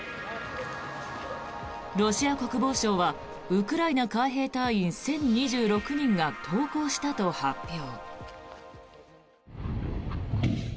ロシア国防省はウクライナ海兵隊員１０２６人が投降したと発表。